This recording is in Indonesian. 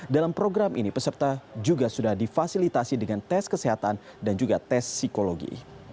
dalam program ini peserta juga sudah difasilitasi dengan tes kesehatan dan juga tes psikologi